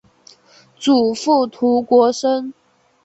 祖父涂国升。